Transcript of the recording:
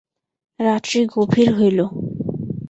রাত্রি গভীর হইল।